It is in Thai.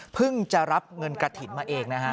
จะรับเงินกระถิ่นมาเองนะฮะ